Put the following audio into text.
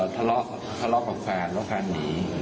ทะลอกทะลอกกับแล้วก็หนี